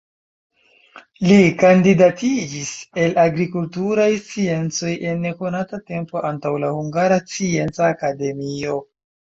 Li kandidatiĝis el agrikulturaj sciencoj en nekonata tempo antaŭ la Hungara Scienca Akademio.